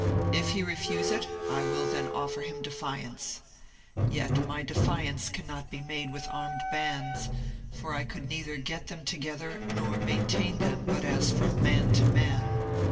If he refuse it, I will then offer him defiance. Yet my defiance cannot be made with armed bands, for I could neither get them together nor maintain them but as from man to man.